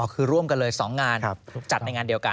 คือร่วมกันเลย๒งานจัดในงานเดียวกัน